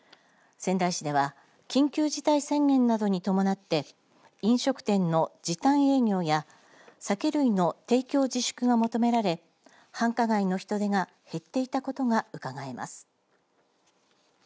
仙台市では緊急事態宣言などに伴って飲食店の時短営業や酒類の提供自粛が求められ繁華街の人出が減っていたことがうかがえます。